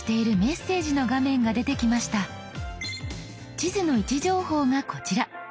地図の位置情報がこちら。